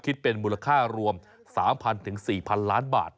คิดเป็นมูลค่ารวม๓๐๐๔๐๐ล้านบาท